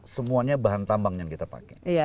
semuanya bahan tambang yang kita pakai